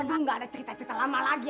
aduh gak ada cerita cerita lama lagi